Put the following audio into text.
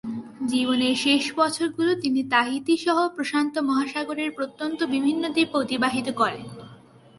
জীবনের শেষ বছরগুলো তিনি তাহিতি সহ প্রশান্ত মহাসাগরের প্রত্যন্ত বিভিন্ন দ্বীপে অতিবাহিত করেন।